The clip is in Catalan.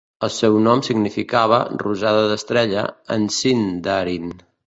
El seu nom significava "rosada d'estrella" en síndarin.